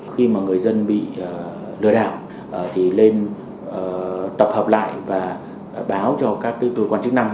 khi mà người dân bị lừa đảo thì lên tập hợp lại và báo cho các cơ quan chức năng